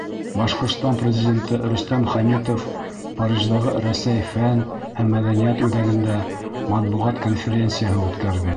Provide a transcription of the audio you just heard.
Башҡортостан Президенты Рөстәм Хәмитов Париждағы Рәсәй фән һәм мәҙәниәт үҙәгендә матбуғат конференцияһы үткәрҙе.